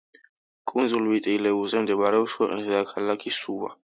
კუნძულ ვიტი-ლევუზე მდებარეობს ქვეყნის დედაქალაქი სუვა.